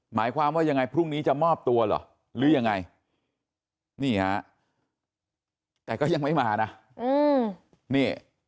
หมายความว่ายังไงพรุ่งนี้จะมอบตัวเหรอหรือยังไงนี่ฮะแต่ก็ยังไม่มานะนี่